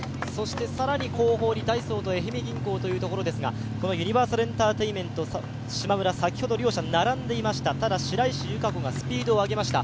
更にその後方にダイソーと愛媛銀行というところですが、このユニバーサルエンターテインメント、しまむら、先ほど両者並んでいました、ただ白石由佳子がスピードを上げました。